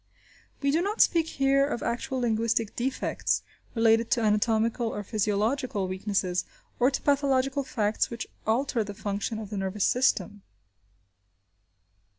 We do not speak here of actual linguistic defects related to anatomical or physiological weaknesses, or to pathological facts which alter the function of the nervous system.